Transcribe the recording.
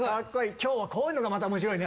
今日はこういうのがまた面白いね。